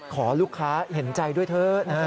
ขอลูกค้าเห็นใจด้วยเถอะนะฮะ